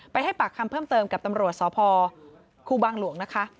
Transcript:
ให้ปากคำเพิ่มเติมกับตำรวจสพครูบางหลวงนะคะ